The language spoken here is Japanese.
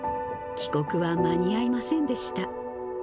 帰国は間に合いませんでした。